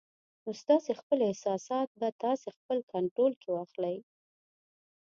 نو ستاسې خپل احساسات به تاسې خپل کنټرول کې واخلي